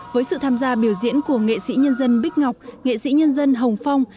với sự tham gia biểu diễn của nghệ sĩ nhân dân bích ngọc nghệ sĩ nhân dân hồng phong